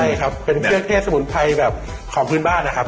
ใช่ครับเป็นเครื่องเทศสมุนไพรแบบของพื้นบ้านนะครับ